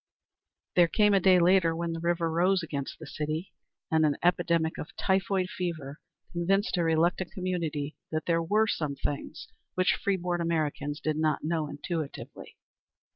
There came a day later when the river rose against the city, and an epidemic of typhoid fever convinced a reluctant community that there were some things which free born Americans did not know intuitively.